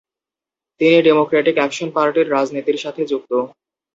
তিনি democratic action পার্টির রাজনীতির সাথে যুক্ত।